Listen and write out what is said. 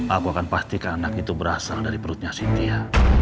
aku akan pastikan anak itu berasal dari perutnya sintia